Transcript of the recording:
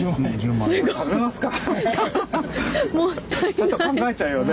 ちょっと考えちゃうよね。